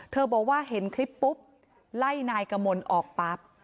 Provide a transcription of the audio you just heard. บอกว่าเห็นคลิปปุ๊บไล่นายกมลออกปั๊บ